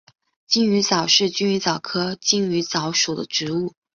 金鱼藻是金鱼藻科金鱼藻属的植物。